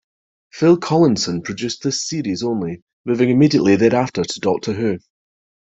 Phil Collinson produced this series only, moving immediately thereafter to "Doctor Who".